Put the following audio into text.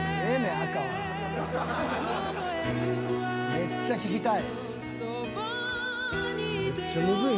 めっちゃ聴きたい。